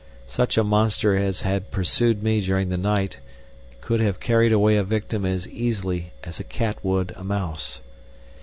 Such a monster as had pursued me during the night could have carried away a victim as easily as a cat would a mouse.